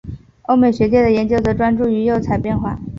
欧美学界的研究则专注于釉彩变化。